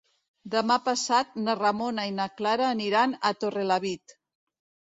Demà passat na Ramona i na Clara aniran a Torrelavit.